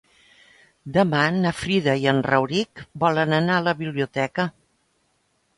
Demà na Frida i en Rauric volen anar a la biblioteca.